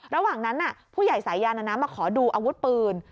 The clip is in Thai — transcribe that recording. ระหว่างนั้นผู้ใหญ่สายันมาขอดูอาวุธปืน